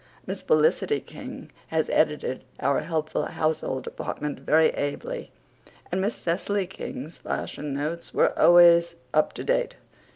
Miss Felicity King has edited our helpful household department very ably, and Miss Cecily King's fashion notes were always up to date.